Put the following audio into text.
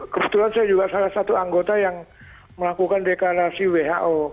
kebetulan saya juga salah satu anggota yang melakukan deklarasi who